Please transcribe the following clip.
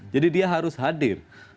jadi dia harus hadir